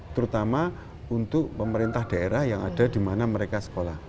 terutama untuk pemerintah daerah yang ada di mana mereka sekolah